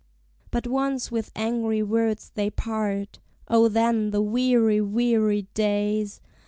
But once with angry words they part: O, then the weary, weary days!